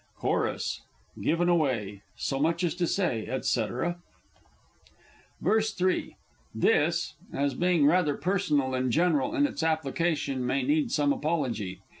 Chorus "Given away." So much as to say, &c. VERSE III. (_This, as being rather personal than general in its application, may need some apology.